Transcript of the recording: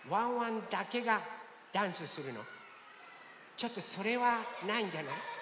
ちょっとそれはないんじゃない？